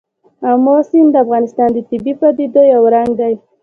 آمو سیند د افغانستان د طبیعي پدیدو یو رنګ دی.